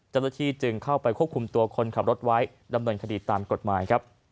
เจ้าหน้าที่จึงเข้าไปควบคุมตัวคนขับรถไว้ดำเนินคดีตามกฎหมายครับ